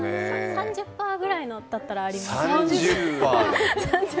３０％ぐらいだったらあります。